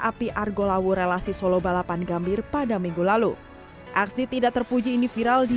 api argo lawu relasi solo balapan gambir pada minggu lalu aksi tidak terpuji ini viral di